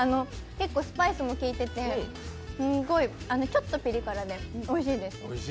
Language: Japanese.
結構スパイスもきいててちょっとピリ辛で、おいしいです。